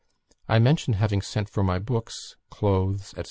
I mentioned having sent for my books, clothes, &c.